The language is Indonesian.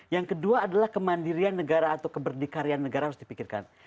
yang kedua adalah kemandirian negara atau keberdikarian negara harus dipikirkan